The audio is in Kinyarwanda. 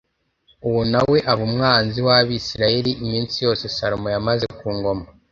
Uwo na we aba umwanzi w’Abisirayeli iminsi yose Salomo yamaze ku ngoma